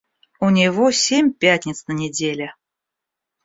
У него семь пятниц на неделе.